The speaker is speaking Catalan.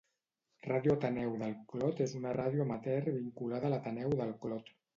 Ràdio Ateneu del Clot és una ràdio amateur vinculada a l'Ateneu del Clot.